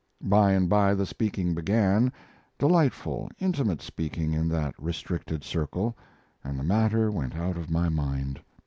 By and by the speaking began delightful, intimate speaking in that restricted circle and the matter went out of my mind.